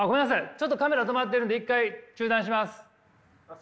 ちょっとカメラ止まってるんで一回中断します。